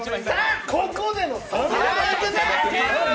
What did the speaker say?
ここでの３！？